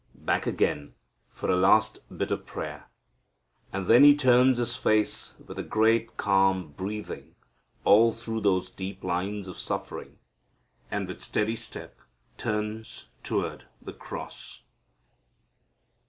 Back again for a last bit of prayer, and then He turns His face with a great calm breathing all through those deep lines of suffering, and with steady step turns toward the cross.